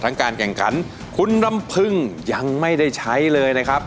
การแข่งขันคุณลำพึงยังไม่ได้ใช้เลยนะครับ